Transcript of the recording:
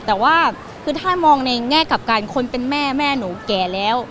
แต่ว่าคือถ้ามองในแง่กับการคนเป็นแม่แม่หนูแก่แล้ว